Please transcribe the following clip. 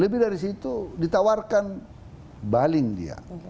lebih dari seratus juta ditawarkan baling dia